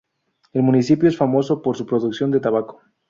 El municipio es famoso por su producción de tabaco.